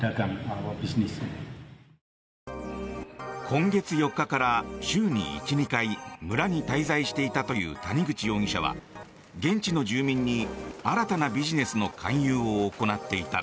今月４日から週に１２回村に滞在していたという谷口容疑者は現地の住民に、新たなビジネスの勧誘を行っていた。